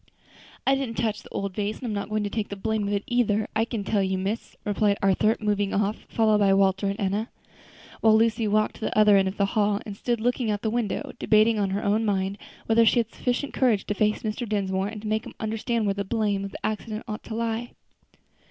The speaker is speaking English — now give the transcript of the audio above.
"I didn't touch the old vase, and I'm not going to take the blame of it, either, I can tell you, miss," replied Arthur, moving off, followed by Walter and Enna, while Lucy walked to the other end of the hall, and stood looking out of the window, debating in her own mind whether she had sufficient courage to face Mr. Dinsmore, and make him understand where the blame of the accident ought to lie.